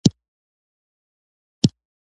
له انسان سره هر ځای او هر وخت ملګری وي.